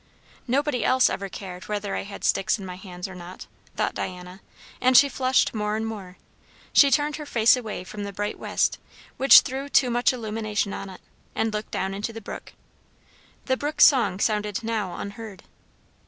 "Nobody else ever cared whether I had sticks in my hands or not," thought Diana; and she flushed more and more. She turned her face away from the bright west, which threw too much illumination on it; and looked down into the brook. The brook's song sounded now unheard.